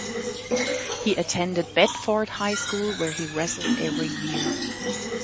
He attended Bedford High School where he wrestled every year.